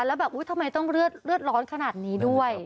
แล้วแบบอุ๊ยทำไมต้องเลือดร้อนขนาดนี้ด้วย